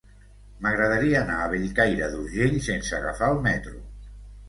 M'agradaria anar a Bellcaire d'Urgell sense agafar el metro.